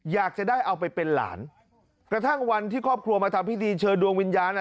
อยากจะได้เอาไปเป็นหลานกระทั่งวันที่ครอบครัวมาทำพิธีเชิญดวงวิญญาณอ่ะ